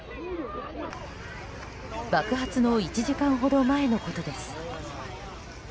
爆発の１時間ほど前のことです。